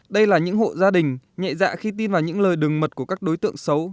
đây là những hộ gia đình nhẹ dạ khi tin vào những lời đừng mật của các đối tượng xấu